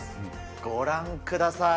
ご覧ください。